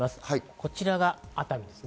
こちらが熱海です。